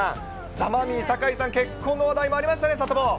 ザ・マミィ・酒井さんの結婚の話題もありましたね、サタボー。